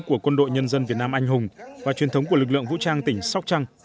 của quân đội nhân dân việt nam anh hùng và truyền thống của lực lượng vũ trang tỉnh sóc trăng